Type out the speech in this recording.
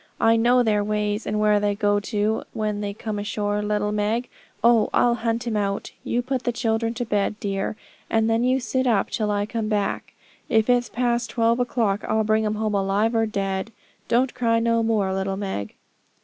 I know their ways, and where they go to, when they come ashore, little Meg. Oh! I'll hunt him out. You put the children to bed, dear; and then you sit up till I come back, if it's past twelve o'clock, I'll bring him home, alive or dead. Don't cry no more, little Meg.'